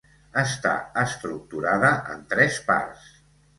Està estructurada en tres parts.